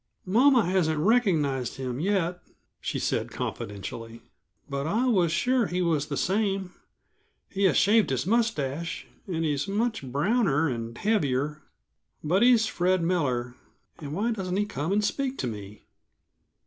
"Mama hasn't recognized him yet," she said confidentially, "but I was sure he was the same. He has shaved his mustache, and he's much browner and heavier, but he's Fred Miller and why doesn't he come and speak to me?"